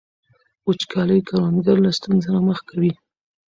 وچکالي کروندګر له ستونزو سره مخ کوي.